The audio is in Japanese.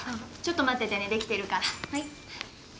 ちょっと待っててねできてるから。